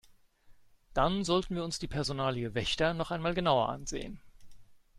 Dann sollten wir uns die Personalie Wächter noch einmal genauer ansehen.